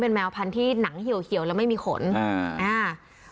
แมวพันธุ์ที่หนังเหี่ยวเหี่ยวแล้วไม่มีขนอ่าอ่า